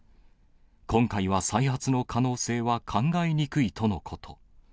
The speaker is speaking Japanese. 今回は再発の可能性は考えにくいとのこと。